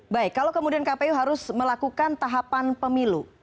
baik kalau kemudian kpu harus melakukan tahapan pemilu